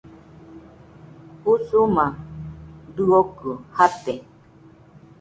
Usuma dɨokɨ jate.